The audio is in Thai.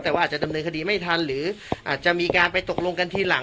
แต่ว่าอาจจะดำเนินคดีไม่ทันหรืออาจจะมีการไปตกลงกันทีหลัง